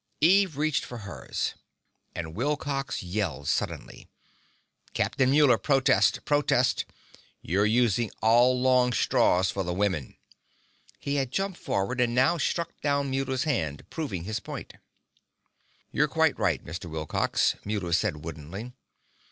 Eve reached for hers And Wilcox yelled suddenly. "Captain Muller, protest! Protest! You're using all long straws for the women!" He had jumped forward, and now struck down Muller's hand, proving his point. "You're quite right, Mr. Wilcox," Muller said woodenly.